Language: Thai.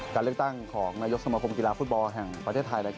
การเลือกตั้งของนายกสมคมกีฬาฟุตบอลแห่งประเทศไทย